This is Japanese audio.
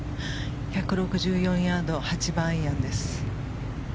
１６４ヤード８番アイアンです。